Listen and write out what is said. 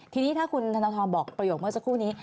ทีนี้ถ้าคุณธนทรบอกประโยคเมื่อสักครู่นี้